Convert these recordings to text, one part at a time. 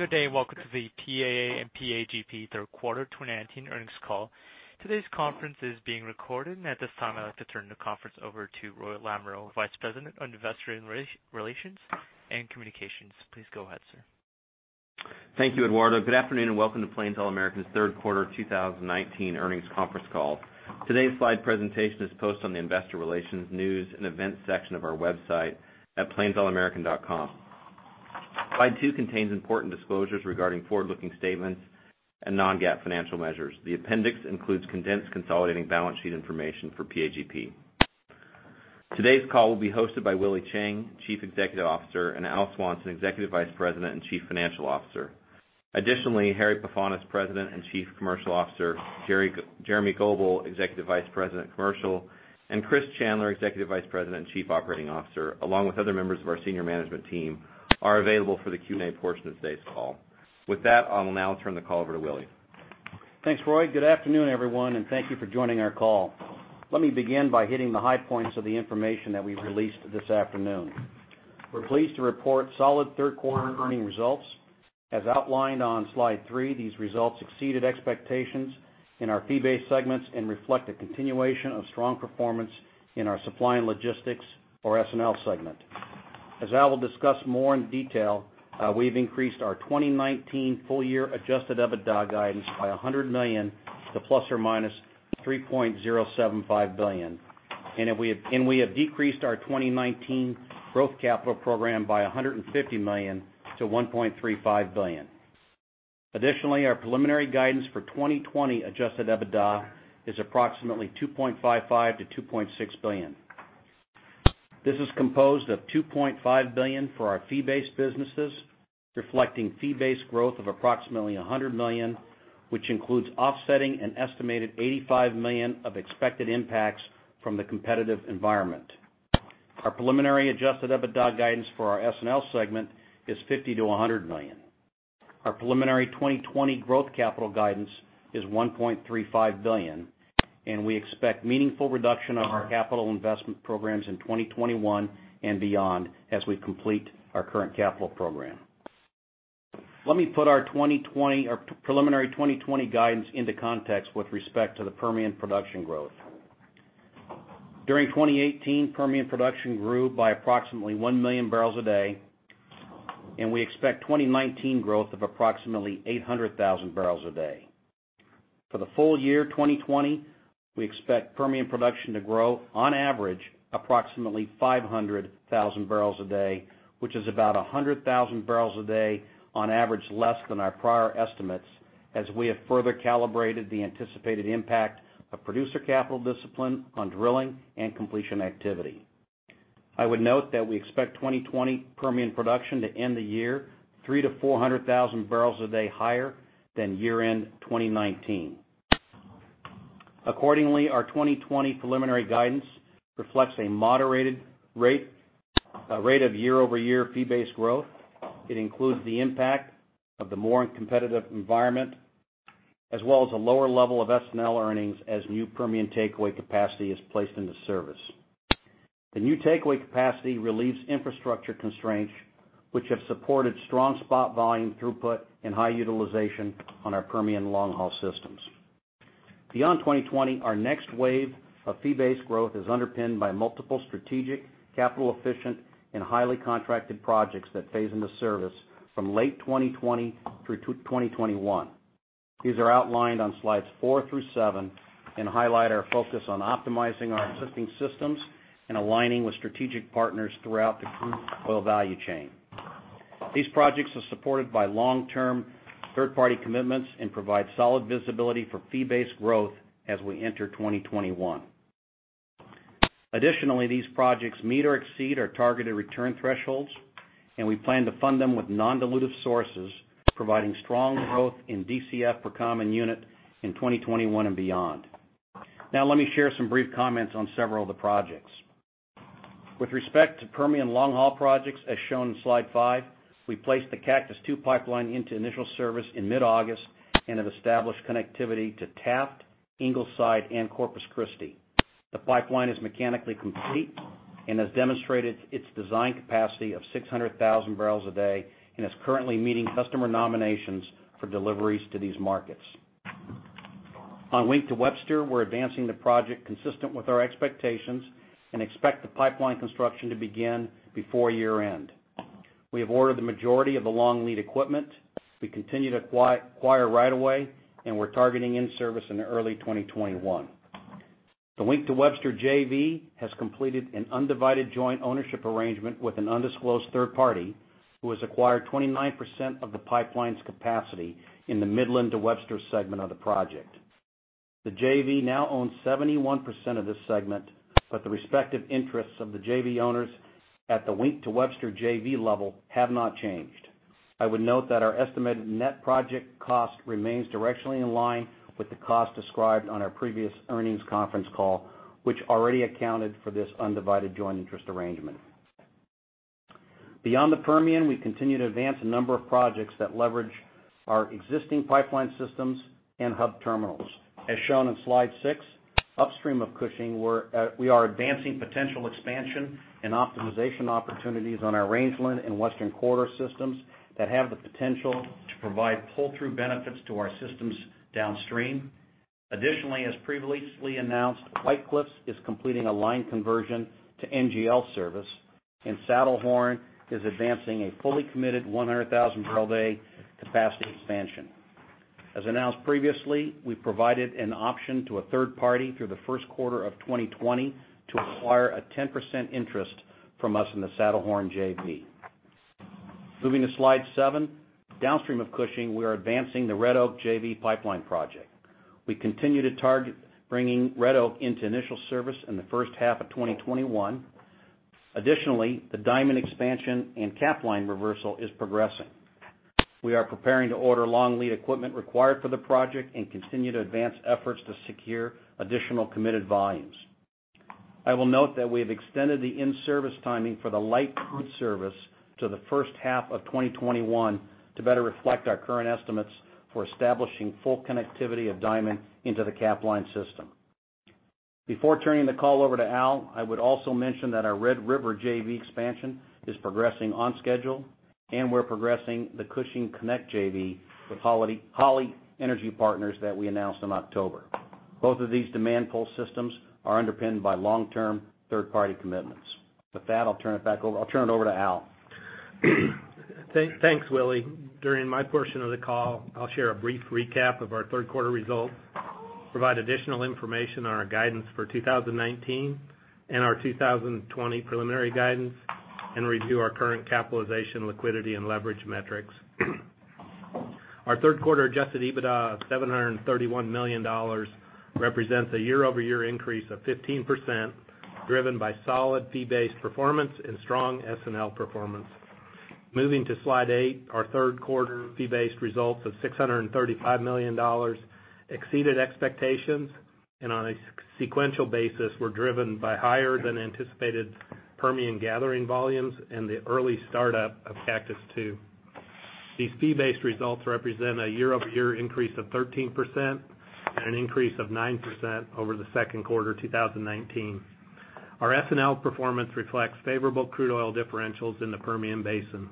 Good day, and welcome to the PAA and PAGP third quarter 2019 earnings call. Today's conference is being recorded, and at this time, I'd like to turn the conference over to Roy Lamoreaux, Vice President on Investor Relations and Communications. Please go ahead, sir. Thank you, Eduardo. Good afternoon, and welcome to Plains All American's third quarter 2019 earnings conference call. Today's slide presentation is posted on the investor relations news and events section of our website at plains.com. Slide two contains important disclosures regarding forward-looking statements and non-GAAP financial measures. The appendix includes condensed consolidating balance sheet information for PAGP. Today's call will be hosted by Willie Chiang, Chief Executive Officer, and Al Swanson, Executive Vice President and Chief Financial Officer. Additionally, Harry Pefanis, President and Chief Commercial Officer, Jeremy Goebel, Executive Vice President, Commercial, and Chris Chandler, Executive Vice President and Chief Operating Officer, along with other members of our senior management team, are available for the Q&A portion of today's call. With that, I will now turn the call over to Willie. Thanks, Roy. Good afternoon, everyone, thank you for joining our call. Let me begin by hitting the high points of the information that we've released this afternoon. We're pleased to report solid third quarter earnings results. As outlined on slide three, these results exceeded expectations in our fee-based segments and reflect a continuation of strong performance in our Supply and Logistics or S&L segment. As Al will discuss more in detail, we've increased our 2019 full year adjusted EBITDA guidance by $100 million to ±$3.075 billion. We have decreased our 2019 growth capital program by $150 million to $1.35 billion. Additionally, our preliminary guidance for 2020 adjusted EBITDA is approximately $2.55 billion to $2.6 billion. This is composed of $2.5 billion for our fee-based businesses, reflecting fee-based growth of approximately $100 million, which includes offsetting an estimated $85 million of expected impacts from the competitive environment. Our preliminary adjusted EBITDA guidance for our S&L segment is $50 million-$100 million. Our preliminary 2020 growth capital guidance is $1.35 billion, and we expect meaningful reduction on our capital investment programs in 2021 and beyond as we complete our current capital program. Let me put our preliminary 2020 guidance into context with respect to the Permian production growth. During 2018, Permian production grew by approximately one million barrels a day, and we expect 2019 growth of approximately 800,000 barrels a day. For the full year 2020, we expect Permian production to grow, on average, approximately 500,000 barrels a day, which is about 100,000 barrels a day on average less than our prior estimates as we have further calibrated the anticipated impact of producer capital discipline on drilling and completion activity. I would note that we expect 2020 Permian production to end the year 300,000-400,000 barrels a day higher than year-end 2019. Our 2020 preliminary guidance reflects a moderated rate of year-over-year fee-based growth. It includes the impact of the more competitive environment, as well as a lower level of S&L earnings as new Permian takeaway capacity is placed into service. The new takeaway capacity relieves infrastructure constraints, which have supported strong spot volume throughput and high utilization on our Permian long-haul systems. Beyond 2020, our next wave of fee-based growth is underpinned by multiple strategic capital-efficient and highly contracted projects that phase into service from late 2020 through to 2021. These are outlined on slides four through seven and highlight our focus on optimizing our existing systems and aligning with strategic partners throughout the crude oil value chain. These projects are supported by long-term third-party commitments and provide solid visibility for fee-based growth as we enter 2021. Additionally, these projects meet or exceed our targeted return thresholds, and we plan to fund them with non-dilutive sources, providing strong growth in DCF per common unit in 2021 and beyond. Now let me share some brief comments on several of the projects. With respect to Permian long-haul projects, as shown in slide five, we placed the Cactus II Pipeline into initial service in mid-August, and have established connectivity to Taft, Ingleside, and Corpus Christi. The Pipeline is mechanically complete and has demonstrated its design capacity of 670,000 barrels a day and is currently meeting customer nominations for deliveries to these markets. On Wink to Webster, we're advancing the project consistent with our expectations and expect the pipeline construction to begin before year-end. We have ordered the majority of the long-lead equipment. We continue to acquire right of way, and we're targeting in-service in early 2021. The Wink to Webster JV has completed an undivided joint ownership arrangement with an undisclosed third party who has acquired 29% of the pipeline's capacity in the Midland to Webster segment of the project. The JV now owns 71% of this segment, but the respective interests of the JV owners at the Wink to Webster JV level have not changed. I would note that our estimated net project cost remains directionally in line with the cost described on our previous earnings conference call, which already accounted for this undivided joint interest arrangement. Beyond the Permian, we continue to advance a number of projects that leverage our existing pipeline systems and hub terminals. As shown on slide six, upstream of Cushing, we are advancing potential expansion and optimization opportunities on our Rangeland and Western Corridor systems that have the potential to provide pull-through benefits to our systems downstream. Additionally, as previously announced, White Cliffs is completing a line conversion to NGL service, and Saddlehorn is advancing a fully committed 100,000-barrel a capacity expansion. As announced previously, we provided an option to a third party through the first quarter of 2020 to acquire a 10% interest from us in the Saddlehorn JV. Moving to slide seven. Downstream of Cushing, we are advancing the Red Oak JV pipeline project. We continue to target bringing Red Oak into initial service in the first half of 2021. Additionally, the Diamond expansion and Capline reversal is progressing. We are preparing to order long-lead equipment required for the project and continue to advance efforts to secure additional committed volumes. I will note that we have extended the in-service timing for the light crude service to the first half of 2021 to better reflect our current estimates for establishing full connectivity of Diamond into the Capline system. Before turning the call over to Al, I would also mention that our Red River JV expansion is progressing on schedule, and we're progressing the Cushing Connect JV with Holly Energy Partners that we announced in October. Both of these demand pull systems are underpinned by long-term third-party commitments. With that, I'll turn it over to Al. Thanks, Willie. During my portion of the call, I'll share a brief recap of our third quarter results, provide additional information on our guidance for 2019 and our 2020 preliminary guidance, and review our current capitalization, liquidity, and leverage metrics. Our third quarter adjusted EBITDA of $731 million represents a year-over-year increase of 15%, driven by solid fee-based performance and strong S&L performance. Moving to slide eight, our third quarter fee-based results of $635 million exceeded expectations, and on a sequential basis, were driven by higher-than-anticipated Permian gathering volumes and the early startup of Cactus II. These fee-based results represent a year-over-year increase of 13% and an increase of 9% over the second quarter 2019. Our S&L performance reflects favorable crude oil differentials in the Permian Basin.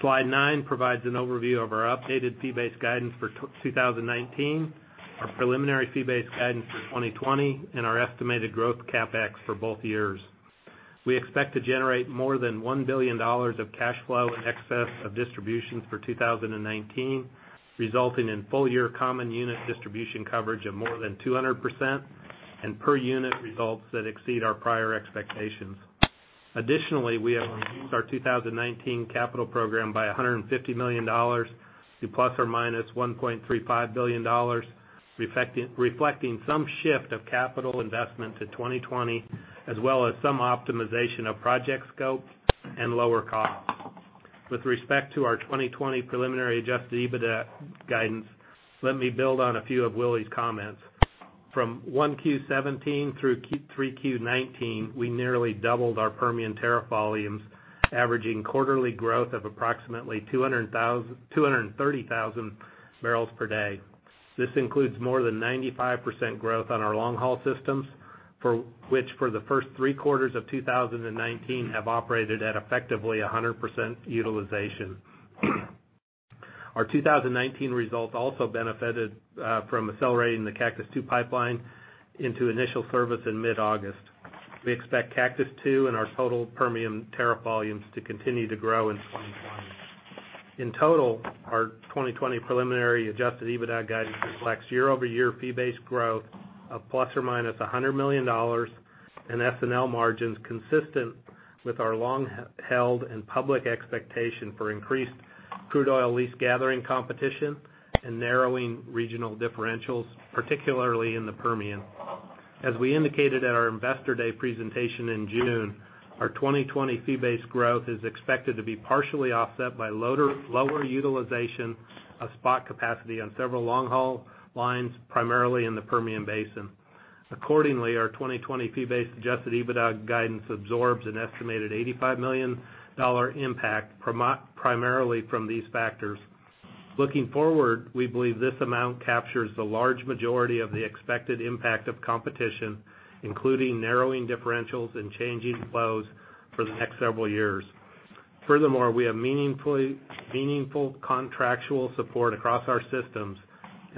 Slide nine provides an overview of our updated fee-based guidance for 2019, our preliminary fee-based guidance for 2020, and our estimated growth CapEx for both years. We expect to generate more than $1 billion of cash flow in excess of distributions for 2019, resulting in full-year common unit distribution coverage of more than 200% and per unit results that exceed our prior expectations. Additionally, we have reduced our 2019 capital program by $150 million to ±$1.35 billion, reflecting some shift of capital investment to 2020, as well as some optimization of project scope and lower costs. With respect to our 2020 preliminary adjusted EBITDA guidance, let me build on a few of Willie's comments. From 1Q17 through 3Q19, we nearly doubled our Permian tariff volumes, averaging quarterly growth of approximately 230,000 barrels per day. This includes more than 95% growth on our long-haul systems, which for the first three quarters of 2019 have operated at effectively 100% utilization. Our 2019 results also benefited from accelerating the Cactus II Pipeline into initial service in mid-August. We expect Cactus II and our total Permian tariff volumes to continue to grow in 2020. In total, our 2020 preliminary adjusted EBITDA guidance reflects year-over-year fee-based growth of ±$100 million and S&L margins consistent with our long-held and public expectation for increased crude oil lease gathering competition and narrowing regional differentials, particularly in the Permian. As we indicated at our Investor Day presentation in June, our 2020 fee-based growth is expected to be partially offset by lower utilization of spot capacity on several long-haul lines, primarily in the Permian Basin. Our 2020 fee-based adjusted EBITDA guidance absorbs an estimated $85 million impact, primarily from these factors. Looking forward, we believe this amount captures the large majority of the expected impact of competition, including narrowing differentials and changing flows for the next several years. We have meaningful contractual support across our systems,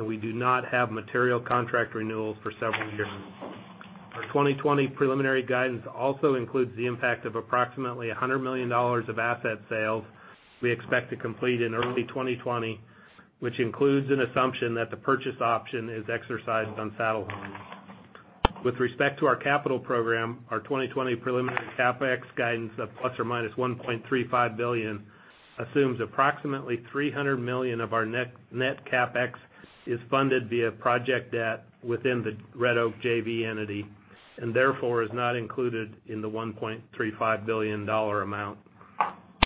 and we do not have material contract renewals for several years. Our 2020 preliminary guidance also includes the impact of approximately $100 million of asset sales we expect to complete in early 2020, which includes an assumption that the purchase option is exercised on Saddlehorn. With respect to our capital program, our 2020 preliminary CapEx guidance of ±$1.35 billion assumes approximately $300 million of our net CapEx is funded via project debt within the Red Oak JV entity, and therefore is not included in the $1.35 billion amount.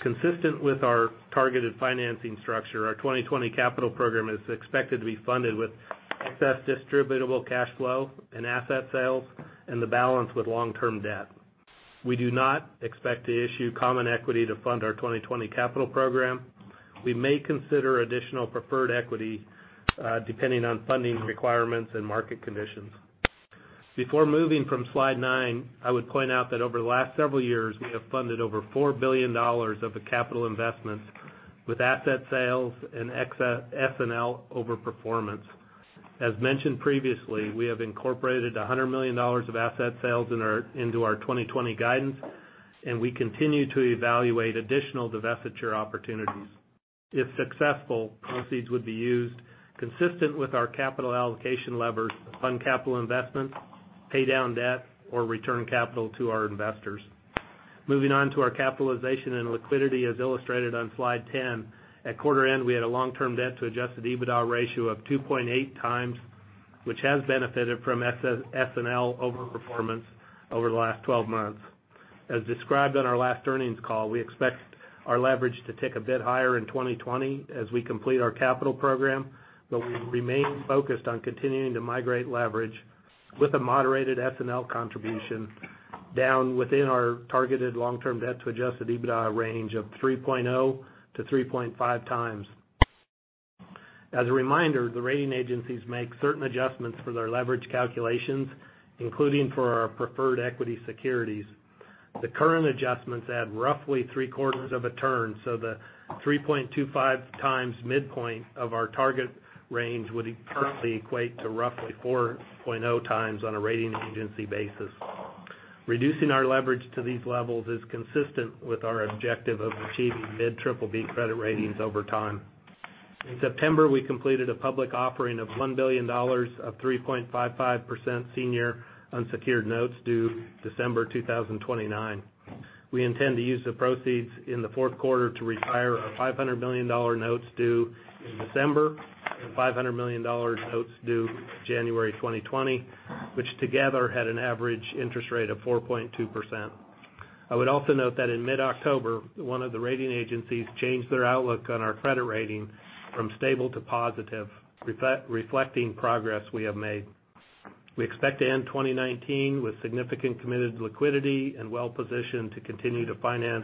Consistent with our targeted financing structure, our 2020 capital program is expected to be funded with excess distributable cash flow and asset sales, and the balance with long-term debt. We do not expect to issue common equity to fund our 2020 capital program. We may consider additional preferred equity depending on funding requirements and market conditions. Before moving from slide nine, I would point out that over the last several years, we have funded over $4 billion of the capital investments with asset sales and S&L over-performance. As mentioned previously, we have incorporated $100 million of asset sales into our 2020 guidance. We continue to evaluate additional divestiture opportunities. If successful, proceeds would be used consistent with our capital allocation levers to fund capital investments, pay down debt, or return capital to our investors. Moving on to our capitalization and liquidity as illustrated on slide 10. At quarter end, we had a long-term debt to adjusted EBITDA ratio of 2.8 times, which has benefited from S&L over-performance over the last 12 months. As described on our last earnings call, we expect our leverage to tick a bit higher in 2020 as we complete our capital program, but we remain focused on continuing to migrate leverage with a moderated S&L contribution down within our targeted long-term debt to adjusted EBITDA range of 3.0 to 3.5 times. As a reminder, the rating agencies make certain adjustments for their leverage calculations, including for our preferred equity securities. The current adjustments add roughly three-quarters of a turn, so the 3.25 times midpoint of our target range would currently equate to roughly 4.0 times on a rating agency basis. Reducing our leverage to these levels is consistent with our objective of achieving mid-triple B credit ratings over time. In September, we completed a public offering of $1 billion of 3.55% senior unsecured notes due December 2029. We intend to use the proceeds in the fourth quarter to retire our $500 million notes due in December and $500 million notes due January 2020, which together had an average interest rate of 4.2%. I would also note that in mid-October, one of the rating agencies changed their outlook on our credit rating from stable to positive, reflecting progress we have made. We expect to end 2019 with significant committed liquidity and well-positioned to continue to finance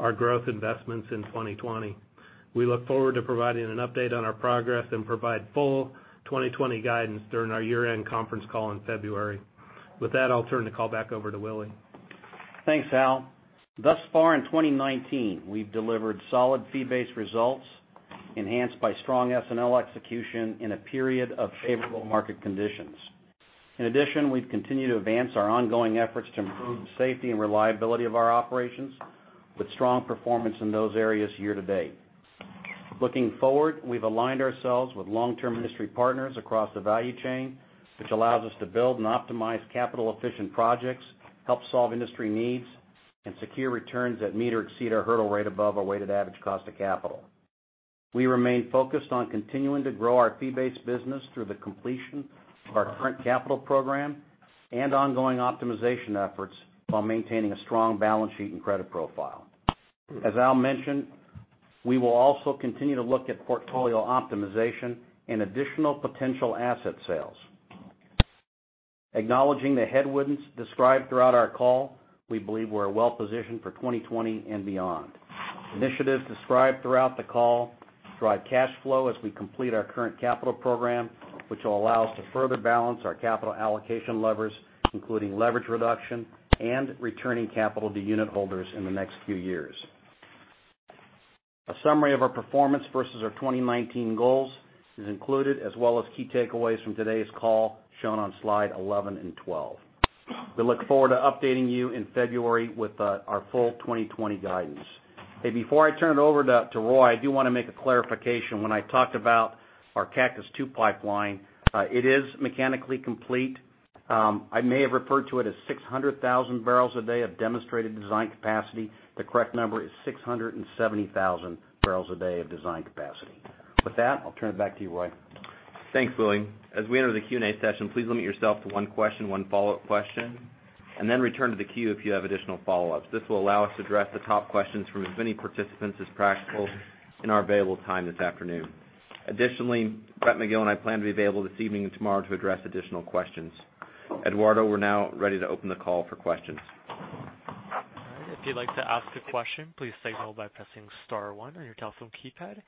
our growth investments in 2020. We look forward to providing an update on our progress and provide full 2020 guidance during our year-end conference call in February. With that, I'll turn the call back over to Willie. Thanks, Al. Thus far in 2019, we've delivered solid fee-based results enhanced by strong S&L execution in a period of favorable market conditions. In addition, we've continued to advance our ongoing efforts to improve safety and reliability of our operations with strong performance in those areas year to date. Looking forward, we've aligned ourselves with long-term industry partners across the value chain, which allows us to build and optimize capital-efficient projects, help solve industry needs, and secure returns that meet or exceed our hurdle rate above our weighted average cost of capital. We remain focused on continuing to grow our fee-based business through the completion of our current capital program and ongoing optimization efforts while maintaining a strong balance sheet and credit profile. As Al mentioned, we will also continue to look at portfolio optimization and additional potential asset sales. Acknowledging the headwinds described throughout our call, we believe we're well-positioned for 2020 and beyond. Initiatives described throughout the call drive cash flow as we complete our current capital program, which will allow us to further balance our capital allocation levers, including leverage reduction and returning capital to unit holders in the next few years. A summary of our performance versus our 2019 goals is included, as well as key takeaways from today's call shown on slide 11 and 11. We look forward to updating you in February with our full 2020 guidance. Before I turn it over to Roy, I do want to make a clarification. When I talked about our Cactus II Pipeline, it is mechanically complete. I may have referred to it as 600,000 barrels a day of demonstrated design capacity. The correct number is 670,000 barrels a day of design capacity. With that, I'll turn it back to you, Roy. Thanks, Willie. As we enter the Q&A session, please limit yourself to one question, one follow-up question, and then return to the queue if you have additional follow-ups. This will allow us to address the top questions from as many participants as practical in our available time this afternoon. Additionally, Brett McGill and I plan to be available this evening and tomorrow to address additional questions. Eduardo, we are now ready to open the call for questions. All right. If you'd like to ask a question, please signal by pressing *1 on your telephone keypad.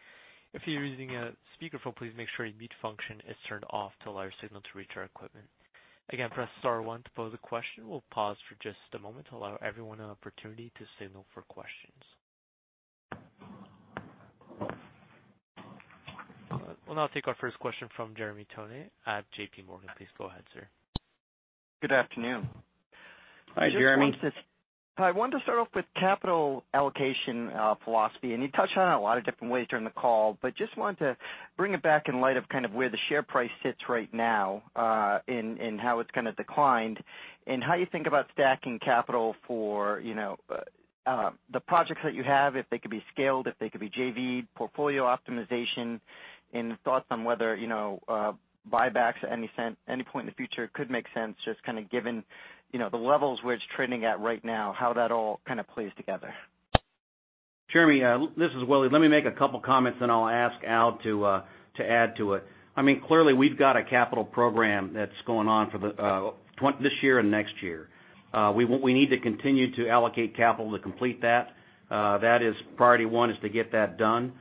If you're using a speakerphone, please make sure your mute function is turned off to allow your signal to reach our equipment. Again, press *1 to pose a question. We'll pause for just a moment to allow everyone an opportunity to signal for questions. We'll now take our first question from Jeremy Tonet at J.P. Morgan. Please go ahead, sir. Good afternoon. Hi, Jeremy. I wanted to start off with capital allocation philosophy, you touched on it a lot of different ways during the call, just wanted to bring it back in light of kind of where the share price sits right now and how it's kind of declined, how you think about stacking capital for the projects that you have, if they could be scaled, if they could be JV, portfolio optimization, thoughts on whether buybacks at any point in the future could make sense, just kind of given the levels where it's trending at right now, how that all kind of plays together. Jeremy, this is Willie. Let me make a couple comments, then I'll ask Al to add to it. Clearly, we've got a capital program that's going on for this year and next year. We need to continue to allocate capital to complete that. That is priority 1, is to get that done.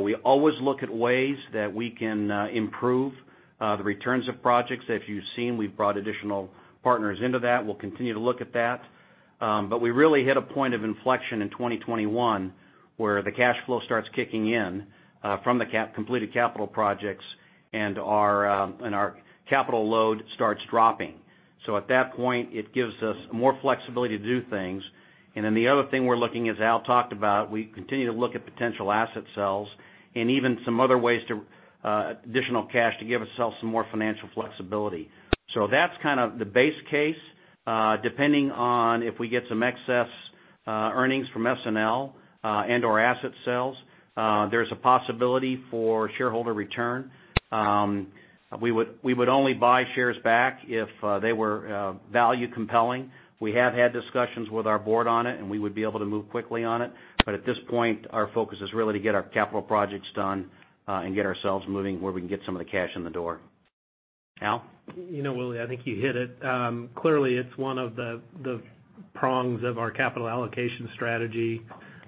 We always look at ways that we can improve the returns of projects. If you've seen, we've brought additional partners into that. We'll continue to look at that. We really hit a point of inflection in 2021, where the cash flow starts kicking in from the completed capital projects and our capital load starts dropping. At that point, it gives us more flexibility to do things. The other thing we're looking, as Al talked about, we continue to look at potential asset sales and even some other ways to additional cash to give ourselves some more financial flexibility. That's kind of the base case. Depending on if we get some excess earnings from S&L and/or asset sales, there's a possibility for shareholder return. We would only buy shares back if they were value compelling. We have had discussions with our board on it, and we would be able to move quickly on it. At this point, our focus is really to get our capital projects done and get ourselves moving where we can get some of the cash in the door. Al? Willie, I think you hit it. Clearly, it's one of the prongs of our capital allocation strategy.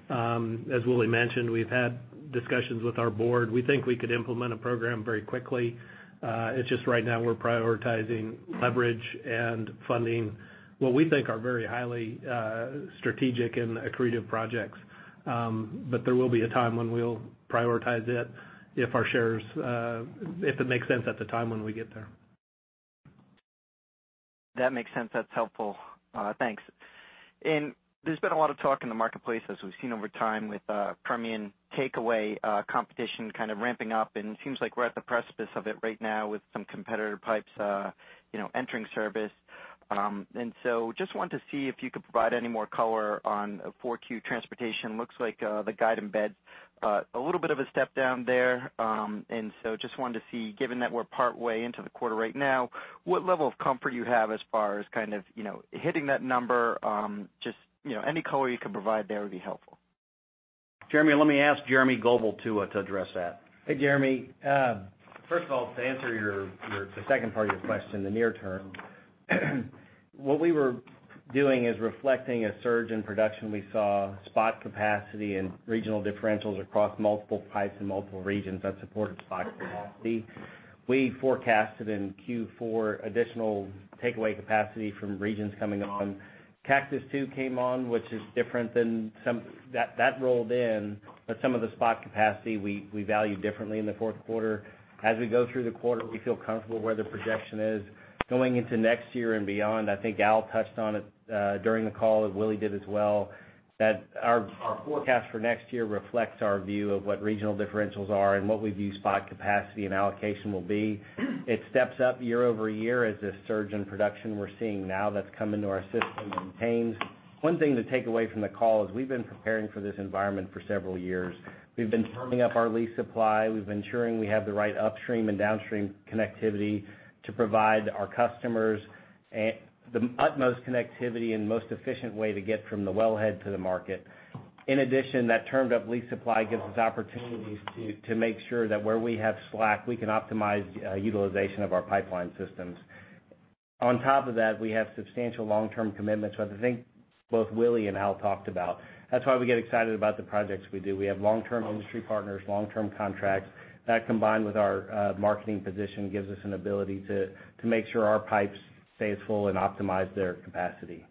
As Willie mentioned, we've had discussions with our board. We think we could implement a program very quickly. It's just right now we're prioritizing leverage and funding what we think are very highly strategic and accretive projects. There will be a time when we'll prioritize it if it makes sense at the time when we get there. That makes sense. That's helpful. Thanks. There's been a lot of talk in the marketplace as we've seen over time with Permian takeaway competition kind of ramping up, and it seems like we're at the precipice of it right now with some competitor pipes entering service. Just wanted to see if you could provide any more color on 4Q transportation. Looks like the guide embeds a little bit of a step-down there. Just wanted to see, given that we're partway into the quarter right now, what level of comfort you have as far as kind of hitting that number. Just any color you can provide there would be helpful. Jeremy, let me ask Jeremy Goebel too to address that. Hey, Jeremy. First of all, to answer the second part of your question, the near term, what we were doing is reflecting a surge in production. We saw spot capacity and regional differentials across multiple pipes in multiple regions that supported spot capacity. We forecasted in Q4 additional takeaway capacity from regions coming on. Cactus II came on, which is different than That rolled in, but some of the spot capacity we valued differently in the fourth quarter. As we go through the quarter, we feel comfortable where the projection is. Going into next year and beyond, I think Al touched on it during the call, as Willie did as well, that our forecast for next year reflects our view of what regional differentials are and what we view spot capacity and allocation will be. It steps up year-over-year as this surge in production we're seeing now that's come into our system continues. One thing to take away from the call is we've been preparing for this environment for several years. We've been firming up our lease supply. We've been ensuring we have the right upstream and downstream connectivity to provide our customers the utmost connectivity and most efficient way to get from the wellhead to the market. In addition, that termed-up lease supply gives us opportunities to make sure that where we have slack, we can optimize utilization of our pipeline systems. On top of that, we have substantial long-term commitments, which I think both Willie and Al talked about. That's why we get excited about the projects we do. We have long-term industry partners, long-term contracts. That, combined with our marketing position, gives us an ability to make sure our pipes stay full and optimize their capacity.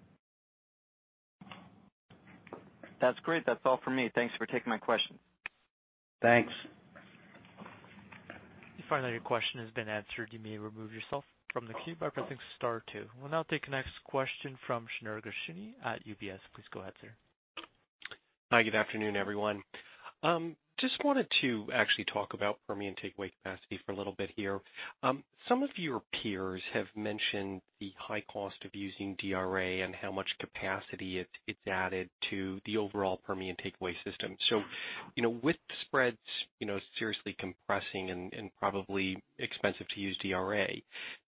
That's great. That's all for me. Thanks for taking my question. Thanks. You find that your question has been answered, you may remove yourself from the queue by pressing star 2. We'll now take the next question from Shneur Gershuni at UBS. Please go ahead, sir. Wanted to actually talk about Permian takeaway capacity for a little bit here. Some of your peers have mentioned the high cost of using DRA and how much capacity it's added to the overall Permian takeaway system. With spreads seriously compressing and probably expensive to use DRA,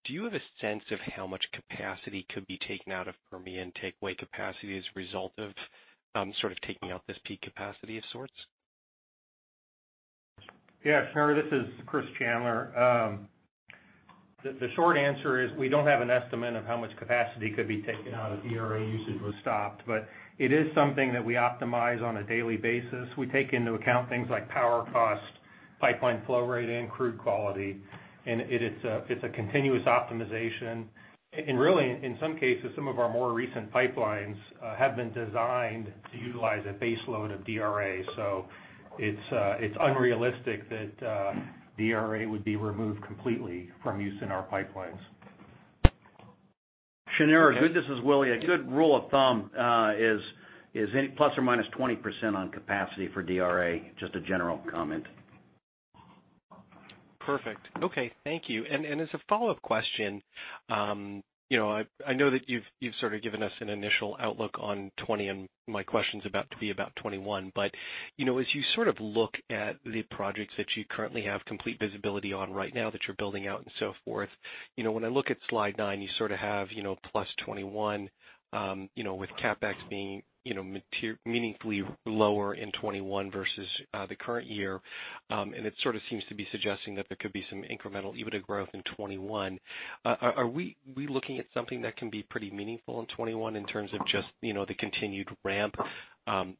do you have a sense of how much capacity could be taken out of Permian takeaway capacity as a result of sort of taking out this peak capacity of sorts? Yeah, Shneur, this is Chris Chandler. The short answer is we don't have an estimate of how much capacity could be taken out if DRA usage was stopped. It is something that we optimize on a daily basis. We take into account things like power cost, pipeline flow rate, and crude quality, and it's a continuous optimization. Really, in some cases, some of our more recent pipelines have been designed to utilize a base load of DRA, so it's unrealistic that DRA would be removed completely from use in our pipelines. Shneur, this is Willie. A good rule of thumb is any plus or minus 20% on capacity for DRA. Just a general comment. Perfect. Okay, thank you. As a follow-up question, I know that you've sort of given us an initial outlook on 2020. My question's about to be about 2021. As you sort of look at the projects that you currently have complete visibility on right now that you're building out and so forth, when I look at slide nine, you sort of have plus 21 With CapEx being meaningfully lower in 2021 versus the current year, it sort of seems to be suggesting that there could be some incremental EBITDA growth in 2021. Are we looking at something that can be pretty meaningful in 2021 in terms of just the continued ramp?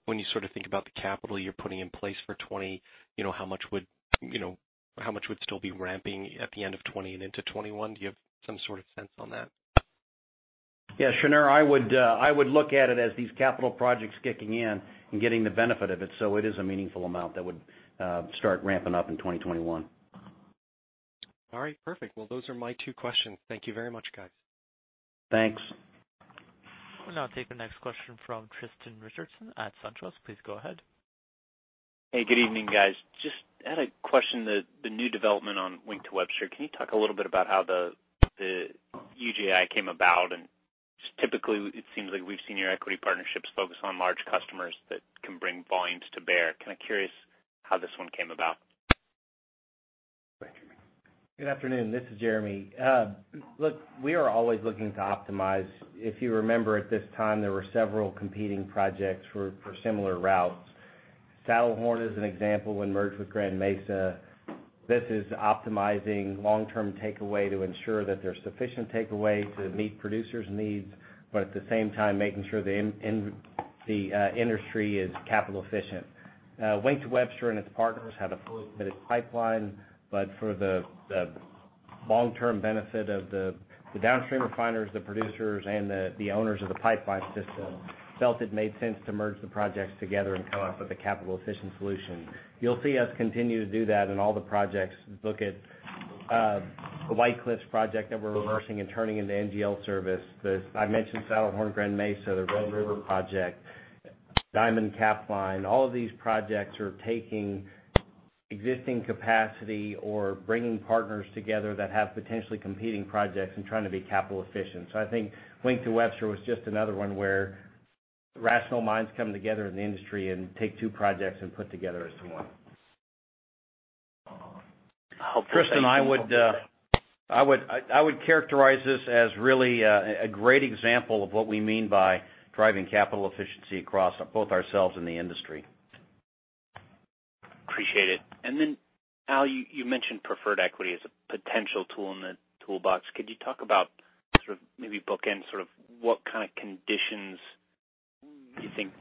When you think about the capital you're putting in place for 2020, how much would still be ramping at the end of 2020 and into 2021? Do you have some sort of sense on that? Yeah, Shneur, I would look at it as these capital projects kicking in and getting the benefit of it. It is a meaningful amount that would start ramping up in 2021. All right, perfect. Those are my two questions. Thank you very much, guys. Thanks. We'll now take the next question from Tristan Richardson at SunTrust. Please go ahead. Hey, good evening, guys. Just had a question, the new development on Wink to Webster. Can you talk a little bit about how the UGI came about? Typically, it seems like we've seen your equity partnerships focus on large customers that can bring volumes to bear. Kind of curious how this one came about. Thank you. Good afternoon. This is Jeremy. Look, we are always looking to optimize. If you remember, at this time, there were several competing projects for similar routes. Saddlehorn is an example when merged with Grand Mesa. This is optimizing long-term takeaway to ensure that there's sufficient takeaway to meet producers' needs, but at the same time making sure the industry is capital efficient. For the long-term benefit of the downstream refiners, the producers, and the owners of the pipeline system felt it made sense to merge the projects together and come up with a capital-efficient solution. You'll see us continue to do that in all the projects. Look at the White Cliffs project that we're reversing and turning into NGL service. I mentioned Saddlehorn, Grand Mesa, the Red River project, Diamond-Capline. All of these projects are taking existing capacity or bringing partners together that have potentially competing projects and trying to be capital efficient. I think Wink to Webster was just another one where rational minds come together in the industry and take two projects and put together as one. Hopeful, thank you. Tristan, I would characterize this as really a great example of what we mean by driving capital efficiency across both ourselves and the industry. Appreciate it. Al, you mentioned preferred equity as a potential tool in the toolbox. Could you talk about sort of maybe bookend sort of what kind of conditions you think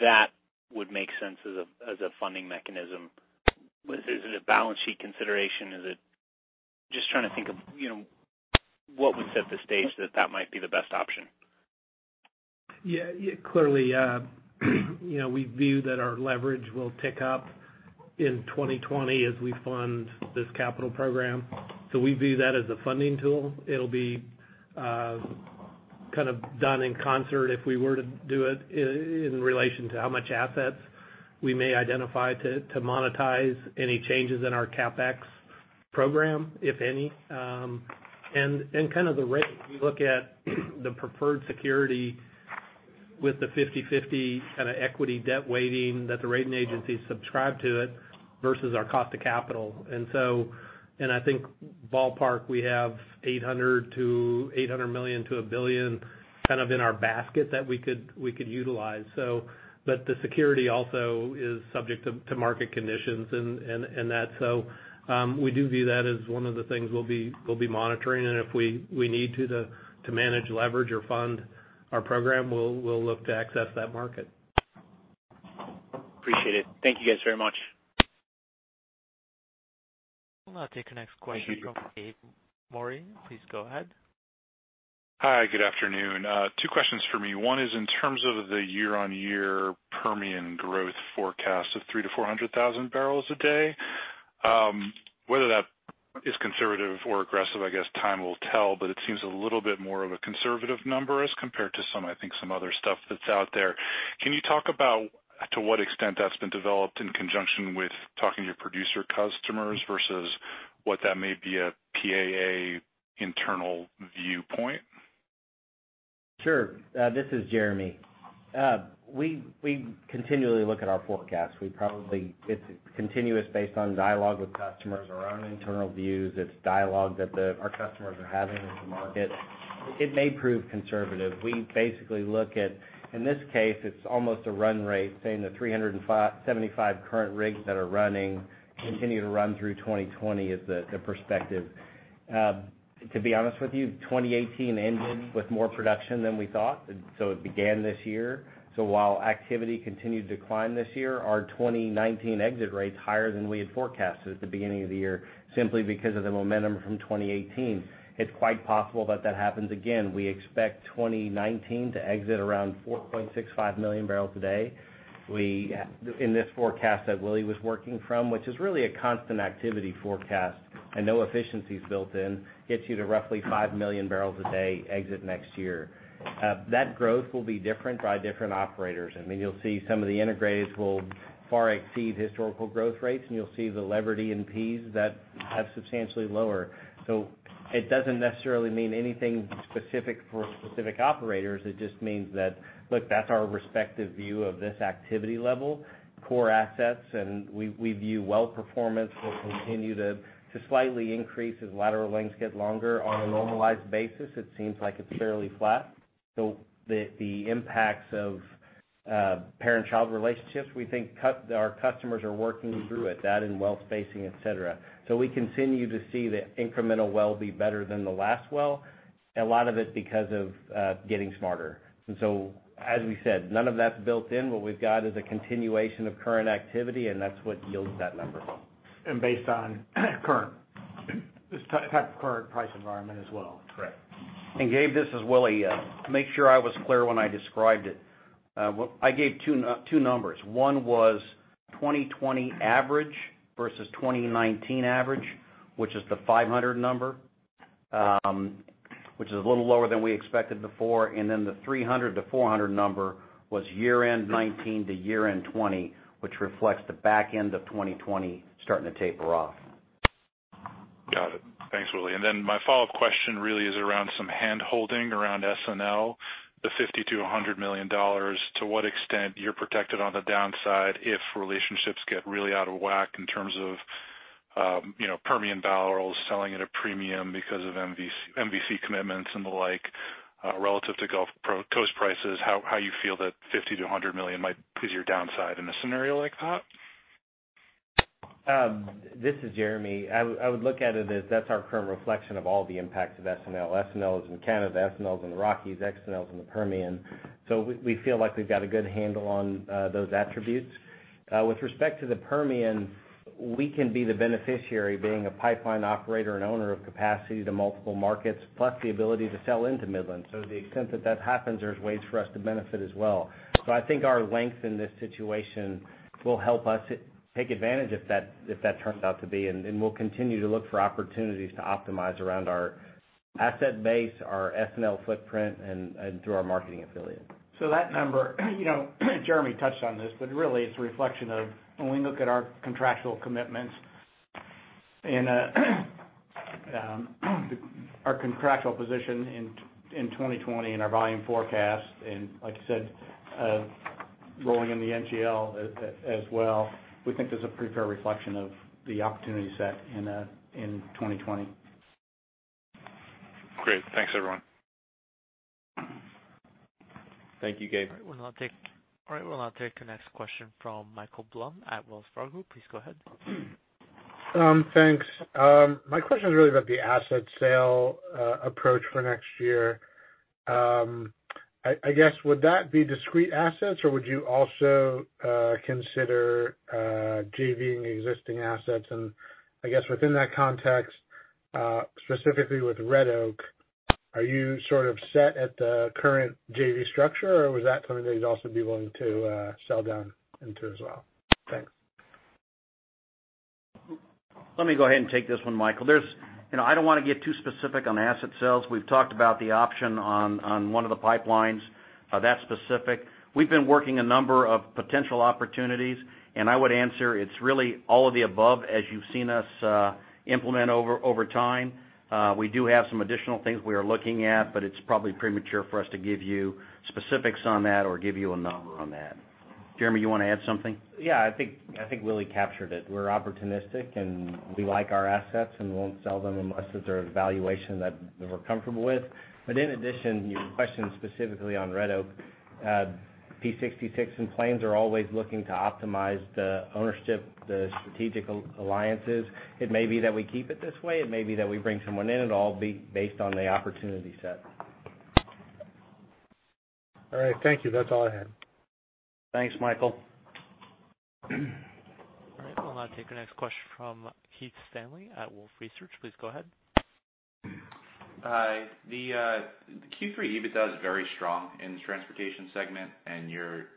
that would make sense as a funding mechanism? Is it a balance sheet consideration? Just trying to think of what would set the stage that that might be the best option. Clearly, we view that our leverage will tick up in 2020 as we fund this capital program. We view that as a funding tool. It'll be kind of done in concert if we were to do it in relation to how much assets we may identify to monetize any changes in our CapEx program, if any. Kind of the rate we look at the preferred security with the 50/50 kind of equity debt weighting that the rating agencies subscribe to it versus our cost of capital. I think ballpark, we have $800 million to $1 billion kind of in our basket that we could utilize. The security also is subject to market conditions and that. We do view that as one of the things we'll be monitoring. If we need to manage leverage or fund our program, we'll look to access that market. Appreciate it. Thank you guys very much. I'll now take the next question. Thank you. from Gabriel Moreen. Please go ahead. Hi, good afternoon. Two questions from me. One is in terms of the year-on-year Permian growth forecast of 3 barrels a day-400,000 barrels a day. Whether that is conservative or aggressive, I guess time will tell, it seems a little bit more of a conservative number as compared to some, I think, some other stuff that's out there. Can you talk about to what extent that's been developed in conjunction with talking to producer customers versus what that may be a PAA internal viewpoint? Sure. This is Jeremy. We continually look at our forecast. It's continuous based on dialogue with customers, our own internal views. It's dialogue that our customers are having with the market. It may prove conservative. We basically look at, in this case, it's almost a run rate, saying the 375 current rigs that are running continue to run through 2020 is the perspective. To be honest with you, 2018 ended with more production than we thought, and so it began this year. While activity continued to climb this year, our 2019 exit rate's higher than we had forecasted at the beginning of the year, simply because of the momentum from 2018. It's quite possible that that happens again. We expect 2019 to exit around 4.65 million barrels a day. In this forecast that Willie was working from, which is really a constant activity forecast and no efficiency is built in, gets you to roughly 5 million barrels a day exit next year. That growth will be different by different operators. I mean, you'll see some of the integrators will far exceed historical growth rates, and you'll see the levered E&Ps that have substantially lower. It doesn't necessarily mean anything specific for specific operators. It just means that, look, that's our respective view of this activity level. Core assets, we view well performance will continue to slightly increase as lateral lengths get longer. On a normalized basis, it seems like it's fairly flat. The impacts of parent-child relationships, we think our customers are working through it, that and well spacing, et cetera. We continue to see the incremental well be better than the last well, a lot of it because of getting smarter. As we said, none of that's built-in. What we've got is a continuation of current activity, and that's what yields that number. Based on current price environment as well. Correct. Gabe, this is Willie. To make sure I was clear when I described it, I gave two numbers. One was 2020 average versus 2019 average, which is the 500 number, which is a little lower than we expected before. The 300-400 number was year-end 2019 to year-end 2020, which reflects the back end of 2020 starting to taper off. Got it. Thanks, Willie. My follow-up question really is around some handholding around S&L, the $50 million-$100 million. To what extent you're protected on the downside if relationships get really out of whack in terms of Permian barrels selling at a premium because of MVC commitments and the like, relative to Gulf Coast prices? How you feel that $50 million-$100 million might is your downside in a scenario like that? This is Jeremy. I would look at it as that's our current reflection of all the impacts of S&L. S&Ls in Canada, S&Ls in the Rockies, S&Ls in the Permian. We feel like we've got a good handle on those attributes. With respect to the Permian, we can be the beneficiary, being a pipeline operator and owner of capacity to multiple markets, plus the ability to sell into Midland. To the extent that that happens, there's ways for us to benefit as well. I think our length in this situation will help us take advantage if that turns out to be, and we'll continue to look for opportunities to optimize around our asset base, our S&L footprint, and through our marketing affiliates. That number, Jeremy touched on this, but really it's a reflection of when we look at our contractual commitments and our contractual position in 2020 and our volume forecast, and like I said, rolling in the NGL as well. We think there's a pretty fair reflection of the opportunity set in 2020. Great. Thanks, everyone. Thank you, Gabe. All right. We'll now take the next question from Michael Blum at Wells Fargo. Please go ahead. Thanks. My question is really about the asset sale approach for next year. I guess, would that be discrete assets or would you also consider JV-ing existing assets? I guess within that context, specifically with Red Oak, are you sort of set at the current JV structure, or was that something that you'd also be willing to sell down into as well? Thanks. Let me go ahead and take this one, Michael. I don't want to get too specific on asset sales. We've talked about the option on one of the pipelines, that specific. We've been working a number of potential opportunities, and I would answer, it's really all of the above as you've seen us implement over time. We do have some additional things we are looking at, but it's probably premature for us to give you specifics on that or give you a number on that. Jeremy, you want to add something? Yeah, I think Willie captured it. We're opportunistic, we like our assets, and we won't sell them unless there's a valuation that we're comfortable with. In addition, your question specifically on Red Oak, P 66 and Plains are always looking to optimize the ownership, the strategic alliances. It may be that we keep it this way. It may be that we bring someone in. It'll all be based on the opportunity set. All right. Thank you. That's all I had. Thanks, Michael. All right, we'll now take the next question from Keith Stanley at Wolfe Research. Please go ahead. Hi. The Q3 EBITDA is very strong in the transportation segment.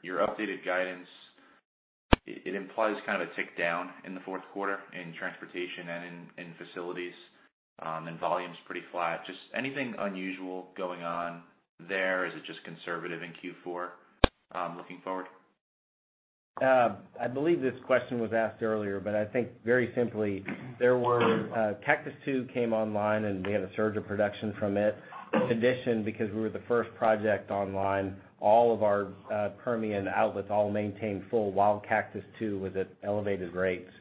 Your updated guidance, it implies kind of a tick down in the fourth quarter in transportation and in facilities, and volume's pretty flat. Anything unusual going on there? Is it just conservative in Q4, looking forward? I believe this question was asked earlier, but I think very simply, Cactus II came online, and we had a surge of production from it. In addition, because we were the first project online, all of our Permian outlets all maintained full while Cactus II was at elevated rates.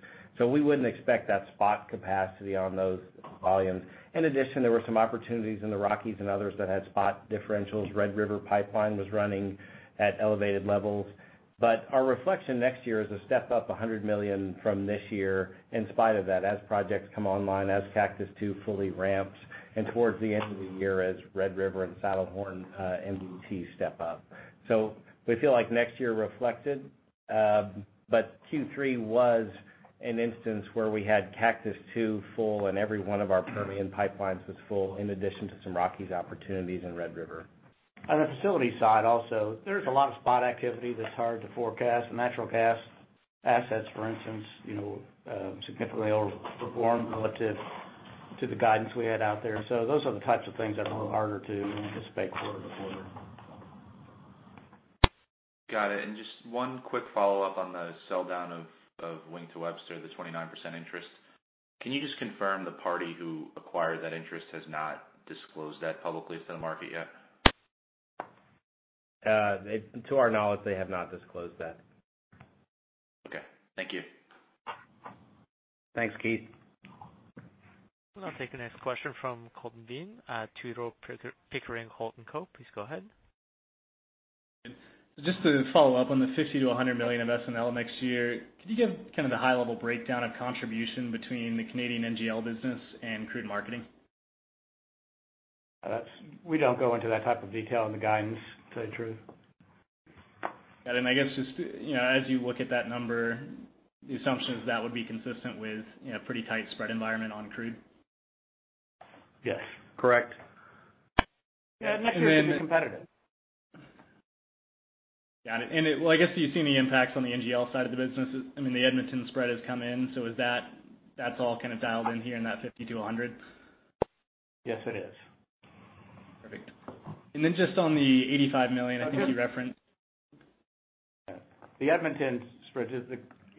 We wouldn't expect that spot capacity on those volumes. In addition, there were some opportunities in the Rockies and others that had spot differentials. Red River Pipeline was running at elevated levels. Our reflection next year is a step up of $100 million from this year in spite of that, as projects come online, as Cactus II fully ramps, and towards the end of the year as Red River and Saddlehorn NBT step up. We feel like next year reflected, but Q3 was an instance where we had Cactus II full and every one of our Permian pipelines was full, in addition to some Rockies opportunities and Red River. On the facility side also, there's a lot of spot activity that's hard to forecast. Natural gas assets, for instance, significantly overperformed relative to the guidance we had out there. Those are the types of things that are a little harder to anticipate quarter to quarter. Got it. Just one quick follow-up on the sell-down of Wink to Webster, the 29% interest. Can you just confirm the party who acquired that interest has not disclosed that publicly to the market yet? To our knowledge, they have not disclosed that. Okay. Thank you. Thanks, Keith. I'll take the next question from Colton Bean at Tudor, Pickering, Holt & Co. Please go ahead. Just to follow up on the $50 million-$100 million of S&L next year, could you give kind of the high-level breakdown of contribution between the Canadian NGL business and crude marketing? We don't go into that type of detail in the guidance, to tell you the truth. Got it. I guess just as you look at that number, the assumption is that would be consistent with a pretty tight spread environment on crude? Yes. Correct. Yeah. Next year it will be competitive. Got it. Well, I guess you're seeing the impacts on the NGL side of the business. The Edmonton spread has come in, so that's all kind of dialed in here in that $50-$100? Yes, it is. Perfect. Just on the $85 million I think you referenced. The Edmonton spread is,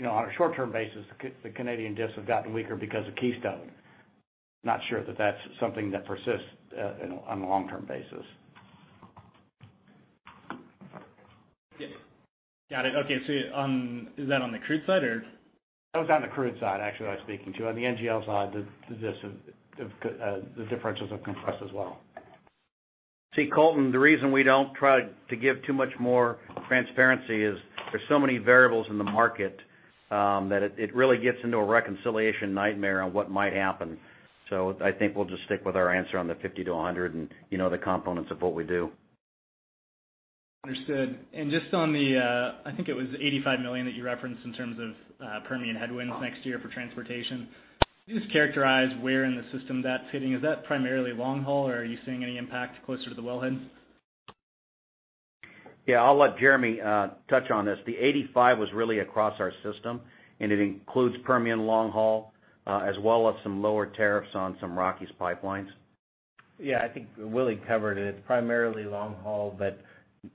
on a short-term basis, the Canadian diffs have gotten weaker because of Keystone. Not sure that that's something that persists on a long-term basis. Got it. Okay. Is that on the crude side or? That was on the crude side, actually, what I was speaking to. On the NGL side, the differentials have compressed as well. Colton, the reason we don't try to give too much more transparency is there's so many variables in the market that it really gets into a reconciliation nightmare on what might happen. I think we'll just stick with our answer on the 50 to 100, and you know the components of what we do. Understood. Just on the, I think it was $85 million that you referenced in terms of Permian headwinds next year for transportation. Can you just characterize where in the system that's hitting? Is that primarily long-haul, or are you seeing any impact closer to the wellhead? Yeah, I'll let Jeremy touch on this. The 85 was really across our system, and it includes Permian long-haul as well as some lower tariffs on some Rockies pipelines. Yeah, I think Willie covered it. It's primarily long-haul, but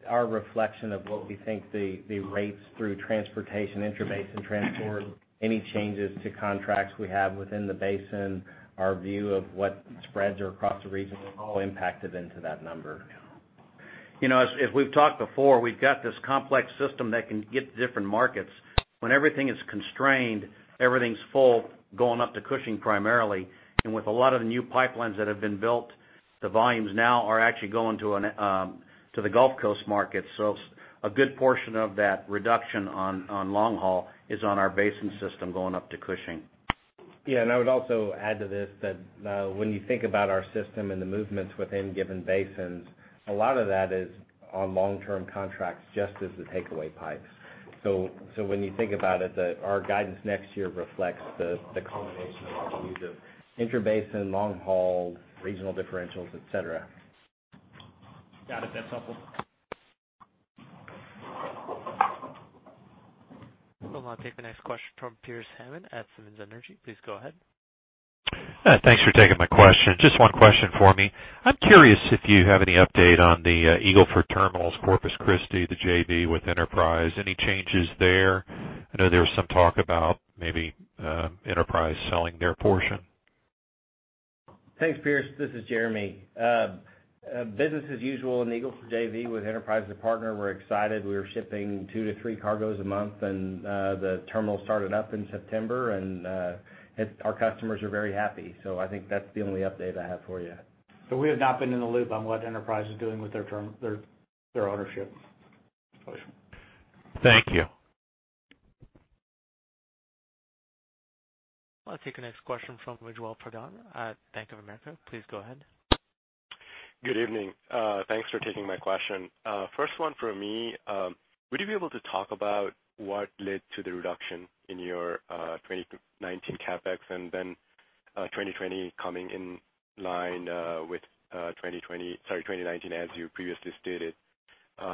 our reflection of what we think the rates through transportation, intrabasin transport, any changes to contracts we have within the basin, our view of what spreads are across the region are all impacted into that number. As we've talked before, we've got this complex system that can get to different markets. When everything is constrained, everything's full going up to Cushing primarily. With a lot of the new pipelines that have been built, the volumes now are actually going to the Gulf Coast market. A good portion of that reduction on long-haul is on our basin system going up to Cushing. Yeah, I would also add to this that when you think about our system and the movements within given basins, a lot of that is on long-term contracts, just as the takeaway pipes. When you think about it, our guidance next year reflects the combination of opportunities of intrabasin, long-haul, regional differentials, et cetera. Got it. That's helpful. We'll now take the next question from Pearce Hammond at Simmons Energy. Please go ahead. Thanks for taking my question. Just one question for me. I'm curious if you have any update on the Eagle Ford terminals, Corpus Christi, the JV with Enterprise. Any changes there? I know there was some talk about maybe Enterprise selling their portion. Thanks, Pearce. This is Jeremy. Business as usual in Eagle Ford JV with Enterprise as a partner. We're excited. We are shipping two to three cargoes a month. The terminal started up in September. Our customers are very happy. I think that's the only update I have for you. We have not been in the loop on what Enterprise is doing with their ownership. Thank you. I'll take the next question from Ujjwal Pradhan at Bank of America. Please go ahead. Good evening. Thanks for taking my question. First one for me, would you be able to talk about what led to the reduction in your 2019 CapEx and then 2020 coming in line with 2019, as you previously stated?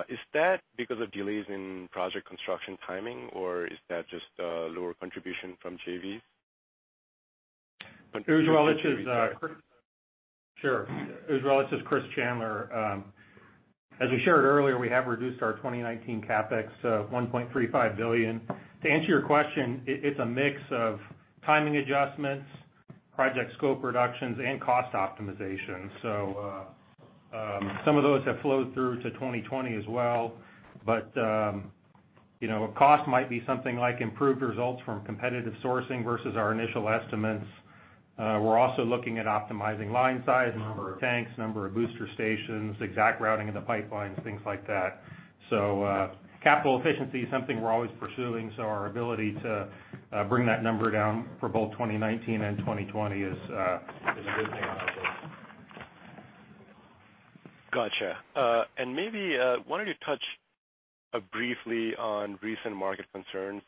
Is that because of delays in project construction timing, or is that just a lower contribution from JVs? Ujjwal, this is Chris Chandler. As we shared earlier, we have reduced our 2019 CapEx to $1.35 billion. To answer your question, it's a mix of timing adjustments, project scope reductions, and cost optimization. Some of those have flowed through to 2020 as well. A cost might be something like improved results from competitive sourcing versus our initial estimates. We're also looking at optimizing line size, number of tanks, number of booster stations, exact routing of the pipelines, things like that. Capital efficiency is something we're always pursuing, so our ability to bring that number down for both 2019 and 2020 is a good thing on both. Got you. Maybe why don't you touch briefly on recent market concerns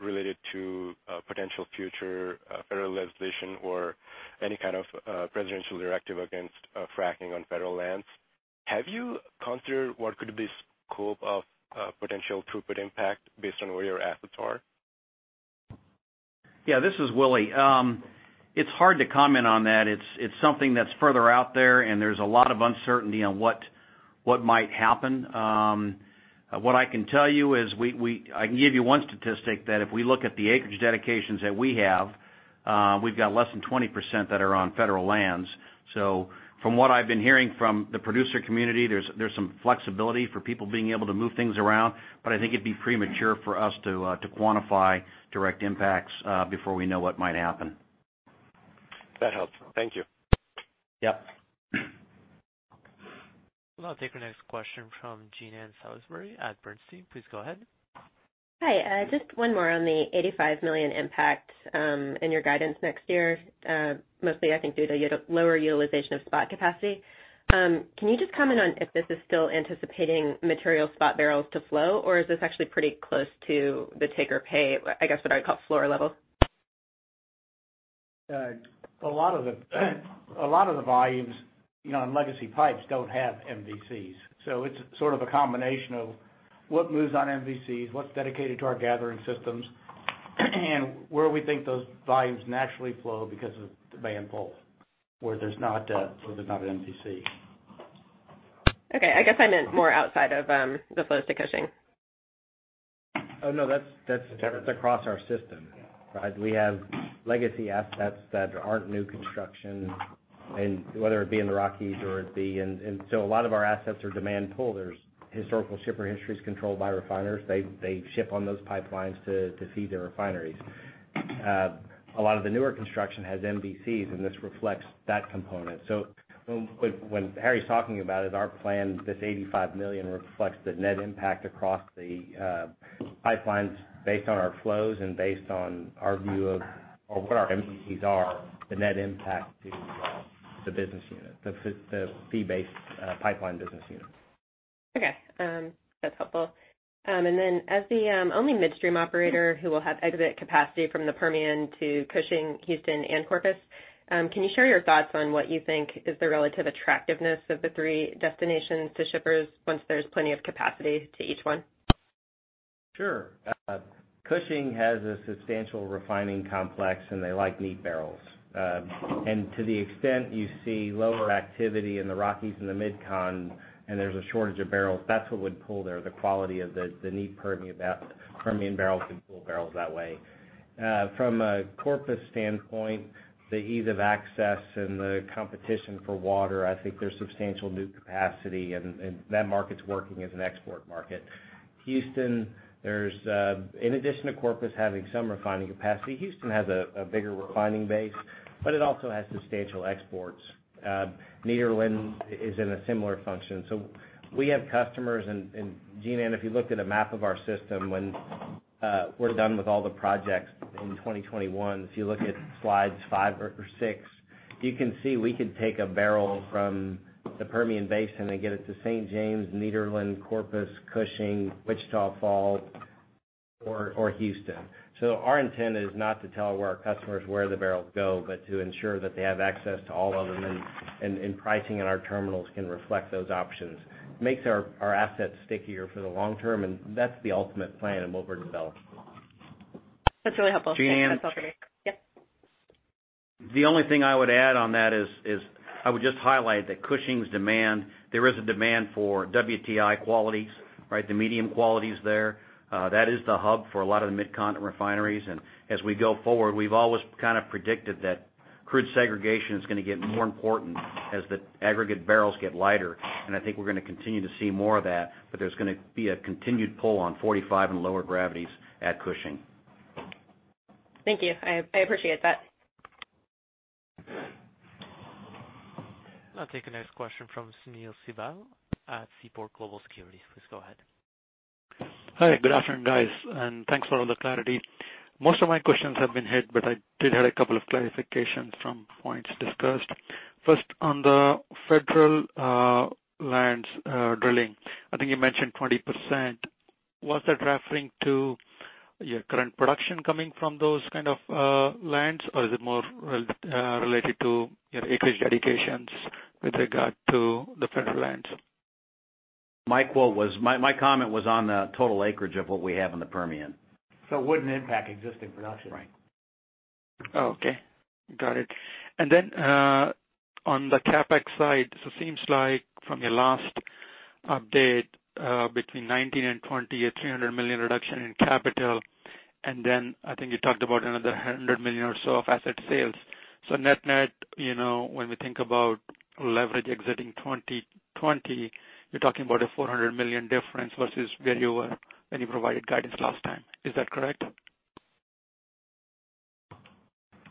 related to potential future federal legislation or any kind of presidential directive against fracking on federal lands. Have you considered what could be the scope of potential throughput impact based on where your assets are? Yeah, this is Willie. It's hard to comment on that. It's something that's further out there, and there's a lot of uncertainty on what might happen. What I can tell you is, I can give you one statistic that if we look at the acreage dedications that we have, we've got less than 20% that are on federal lands. From what I've been hearing from the producer community, there's some flexibility for people being able to move things around, but I think it'd be premature for us to quantify direct impacts before we know what might happen. That helps. Thank you. Yep. I'll take our next question from Jean Ann Salisbury at Bernstein. Please go ahead. Hi. Just one more on the $85 million impact in your guidance next year. Mostly, I think due to lower utilization of spot capacity. Can you just comment on if this is still anticipating material spot barrels to flow, or is this actually pretty close to the take or pay, I guess, what I'd call floor level? A lot of the volumes in legacy pipes don't have MVCs. It's sort of a combination of what moves on MVCs, what's dedicated to our gathering systems, and where we think those volumes naturally flow because of demand pull where there's not an MVC. Okay. I guess I meant more outside of the flows to Cushing. Oh, no. Sure across our system. We have legacy assets that aren't new construction. A lot of our assets are demand pull. There's historical shipper history is controlled by refiners. They ship on those pipelines to feed their refineries. A lot of the newer construction has MVCs, and this reflects that component. What Harry's talking about is our plan. This $85 million reflects the net impact across the pipelines based on our flows and based on our view of what our MVCs are, the net impact to the business unit, the fee-based pipeline business unit. Okay. That's helpful. As the only midstream operator who will have exit capacity from the Permian to Cushing, Houston, and Corpus, can you share your thoughts on what you think is the relative attractiveness of the three destinations to shippers once there's plenty of capacity to each one? Sure. Cushing has a substantial refining complex, and they like neat barrels. To the extent you see lower activity in the Rockies and the MidCon, and there's a shortage of barrels, that's what would pull there, the quality of the neat Permian barrels can pull barrels that way. From a Corpus standpoint, the ease of access and the competition for water, I think there's substantial new capacity, and that market's working as an export market. Houston, in addition to Corpus having some refining capacity, Houston has a bigger refining base, but it also has substantial exports. Nederland is in a similar function. We have customers, and Jean Ann, if you looked at a map of our system when we're done with all the projects in 2021, if you look at slides five or six, you can see we could take a barrel from the Permian Basin and get it to St. James, Nederland, Corpus, Cushing, Wichita Falls, or Houston. Our intent is not to tell our customers where the barrels go, but to ensure that they have access to all of them, and pricing in our terminals can reflect those options. Makes our assets stickier for the long term, and that's the ultimate plan and what we're developing. That's really helpful. Jean Ann? That's all for me. Yeah? The only thing I would add on that is I would just highlight that Cushing's demand, there is a demand for WTI qualities, the medium qualities there. That is the hub for a lot of the Mid-Cont refineries. As we go forward, we've always kind of predicted that crude segregation is going to get more important as the aggregate barrels get lighter, and I think we're going to continue to see more of that, but there's going to be a continued pull on 45 and lower gravities at Cushing. Thank you. I appreciate that. I'll take the next question from Sunil Sibal at Seaport Global Securities. Please go ahead. Hi, good afternoon, guys. Thanks for all the clarity. Most of my questions have been hit. I did have a couple of clarifications from points discussed. First, on the federal lands drilling, I think you mentioned 20%. Was that referring to your current production coming from those kind of lands, or is it more related to your acreage dedications with regard to the federal lands? My comment was on the total acreage of what we have in the Permian. It wouldn't impact existing production. Right. Oh, okay. Got it. On the CapEx side, seems like from your last update, between 2019 and 2020, a $300 million reduction in capital. I think you talked about another $100 million or so of asset sales. Net-net, when we think about leverage exiting 2020, you're talking about a $400 million difference versus where you were when you provided guidance last time. Is that correct?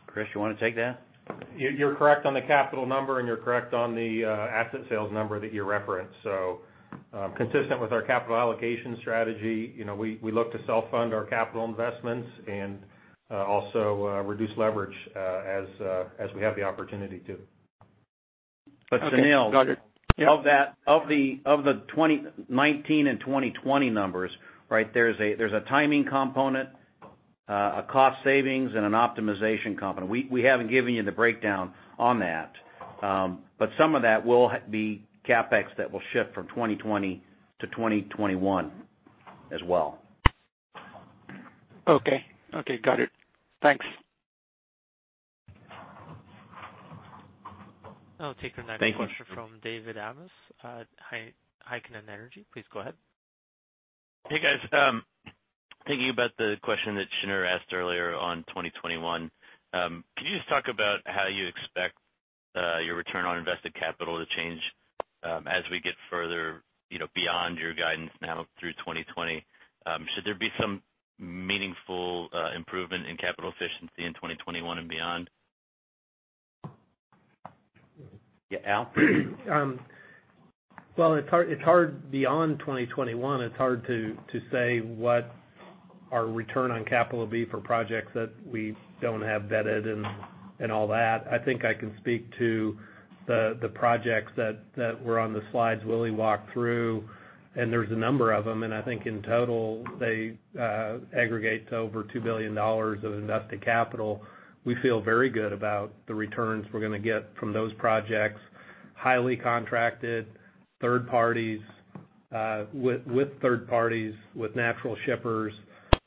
Chris, you want to take that? You're correct on the capital number, and you're correct on the asset sales number that you referenced. Consistent with our capital allocation strategy, we look to self-fund our capital investments and also reduce leverage as we have the opportunity to. Okay, got it. Yeah. Sunil, of the 2019 and 2020 numbers, there's a timing component, a cost savings, and an optimization component. We haven't given you the breakdown on that. Some of that will be CapEx that will shift from 2020 to 2021 as well. Okay. Got it. Thanks. I'll take another- Thank you. question from David Amos at Heikkinen Energy. Please go ahead. Hey guys. Thinking about the question that Shneur asked earlier on 2021. Can you just talk about how you expect your return on invested capital to change as we get further, beyond your guidance now through 2020? Should there be some meaningful improvement in capital efficiency in 2021 and beyond? Yeah, Al? Well, beyond 2021, it's hard to say what our return on capital will be for projects that we don't have vetted and all that. I think I can speak to the projects that were on the slides Willie walked through, and there's a number of them, and I think in total they aggregate to over $2 billion of invested capital. We feel very good about the returns we're going to get from those projects. Highly contracted, with third parties, with natural shippers,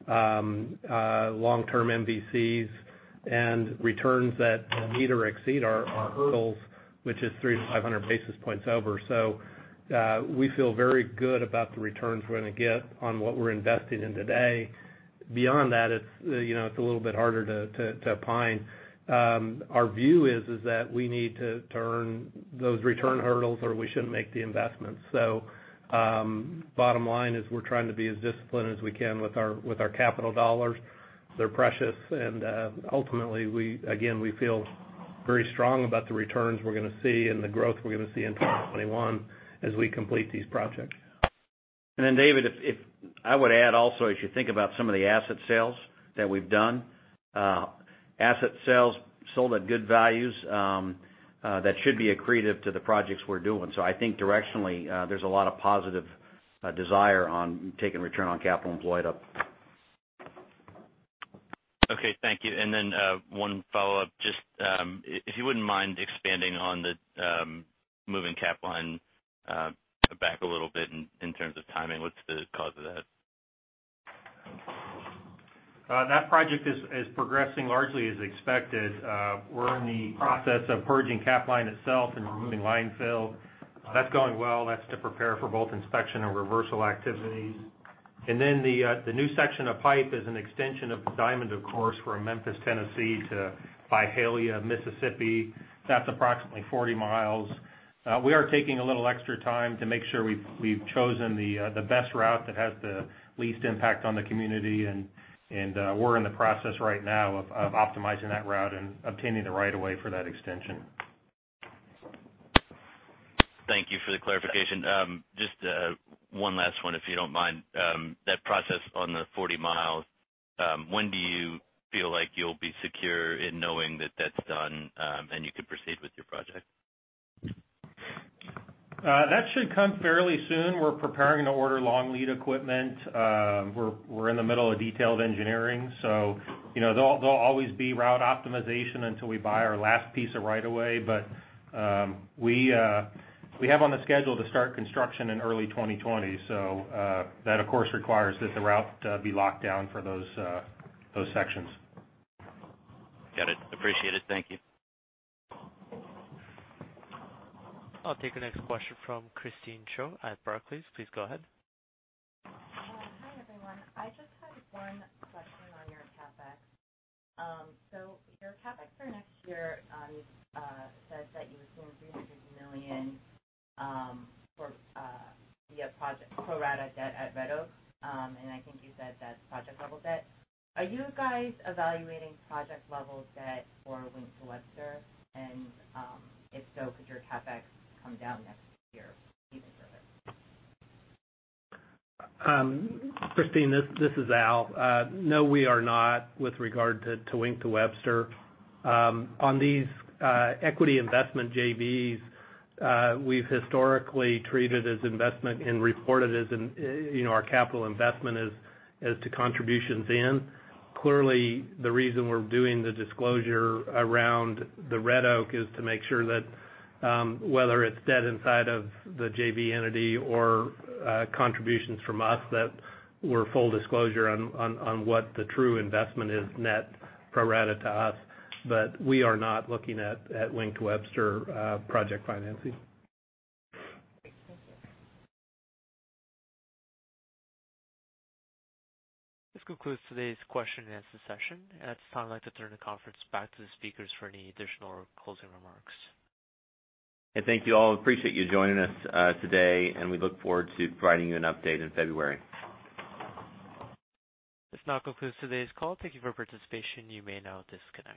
long-term MVCs, and returns that meet or exceed our hurdles, which is 300-500 basis points over. We feel very good about the returns we're going to get on what we're investing in today. Beyond that, it's a little bit harder to opine. Our view is that we need to turn those return hurdles or we shouldn't make the investment. Bottom line is we're trying to be as disciplined as we can with our capital dollars. They're precious and ultimately, again, we feel very strong about the returns we're going to see and the growth we're going to see in 2021 as we complete these projects. David, I would add also, as you think about some of the asset sales that we've done. Asset sales sold at good values that should be accretive to the projects we're doing. I think directionally, there's a lot of positive desire on taking return on capital employed up. Okay. Thank you. One follow-up, just if you wouldn't mind expanding on the moving Capline back a little bit in terms of timing. What's the cause of that? That project is progressing largely as expected. We're in the process of purging Capline itself and removing line fill. That's going well. That's to prepare for both inspection and reversal activities. The new section of pipe is an extension of Diamond, of course, from Memphis, Tennessee, to Byhalia, Mississippi. That's approximately 40 miles. We are taking a little extra time to make sure we've chosen the best route that has the least impact on the community. We're in the process right now of optimizing that route and obtaining the right-of-way for that extension. Thank you for the clarification. Just one last one, if you don't mind. That process on the 40 miles, when do you feel like you'll be secure in knowing that that's done, and you can proceed with your project? That should come fairly soon. We're preparing to order long-lead equipment. We're in the middle of detailed engineering so there'll always be route optimization until we buy our last piece of right of way. We have on the schedule to start construction in early 2020. That, of course, requires that the route be locked down for those sections. Got it. Appreciate it. Thank you. I'll take the next question from Christine Cho at Barclays. Please go ahead. Hi, everyone. I just had one question on your CapEx. Your CapEx for next year says that you assume $300 million via project pro rata debt at Red Oak, and I think you said that's project-level debt. Are you guys evaluating project-level debt for Wink to Webster? If so, could your CapEx come down next year even further? Christine, this is Al. No, we are not, with regard to Wink to Webster. On these equity investment JVs, we've historically treated as investment and reported our capital investment as to contributions in. Clearly, the reason we're doing the disclosure around the Red Oak is to make sure that whether it's debt inside of the JV entity or contributions from us, that we're full disclosure on what the true investment is net pro rata to us. We are not looking at Wink to Webster project financing. Great. Thank you. This concludes today's question and answer session. At this time, I'd like to turn the conference back to the speakers for any additional closing remarks. Hey, thank you all. Appreciate you joining us today. We look forward to providing you an update in February. This now concludes today's call. Thank you for your participation. You may now disconnect.